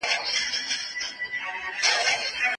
خلک به خوشاله شي.